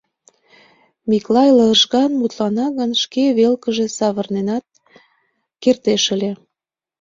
Миклай лыжган мутлана гын, шке велкыже савыренат кертеш ыле.